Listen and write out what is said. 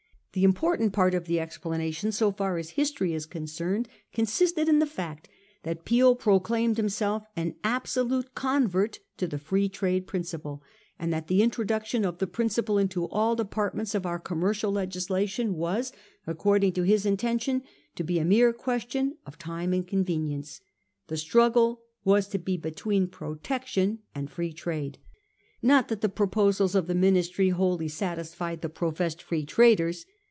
The important part of the explanation, so far as history is concerned, consisted in the fact that Peel proclaimed himself an absolute convert to the Free Trade principle, and that the intro duction of the principle into all departments of our commercial legislation was, according to his inten tion, to be a mere question of time and convenience. The struggle was to be between Protection and Free Trade. Not that the proposals of the Ministry wholly satisfied the professed Free Traders.